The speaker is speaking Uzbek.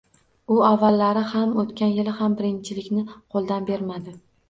U avvallari ham, o‘tgan yil ham birinchilikni qo‘ldan bermadi.